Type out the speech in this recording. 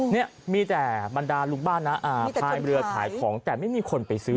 ในนี้มีแต่บาร์ดาลลุงบ้านอ่ะคลายหมื่อเรือขายของแต่ไม่มีคนไปซื้อ